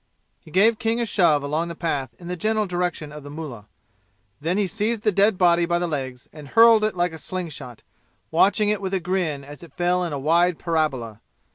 He gave King a shove along the path in the general direction of the mullah. Then he seized the dead body by the legs, and hurled it like a sling shot, watching it with a grin as it fell in a wide parabola.